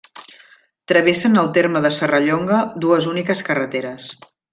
Travessen el terme de Serrallonga dues úniques carreteres.